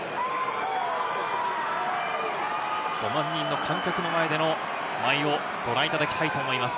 ５万人の観客の前での舞いをご覧いただきたいと思います。